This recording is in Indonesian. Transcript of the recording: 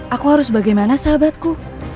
aku harus bagaimana sahabatku